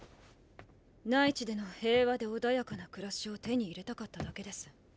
内地での平和で穏やかな暮らしを手に入れたかっただけです。